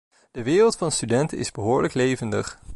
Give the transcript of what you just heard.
De wereld van de studenten is behoorlijk levendig.